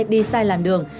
đi sai làn đường